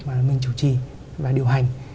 mà mình chủ trì và điều hành